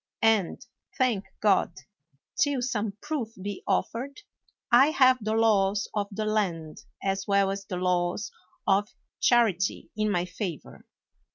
And, thank God! till some proof be offered, I have the laws of the land as well as the laws of charity in my favor.